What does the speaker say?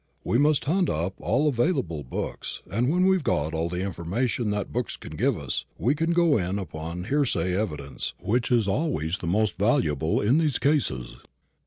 We must hunt up all available books; and when we've got all the information that books can give us, we can go in upon hearsay evidence, which is always the most valuable in these cases."